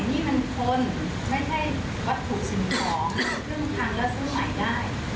นี่มันคนไม่ใช่วัตถุสิ่งของครึ่งทางแล้วซื้อใหม่ได้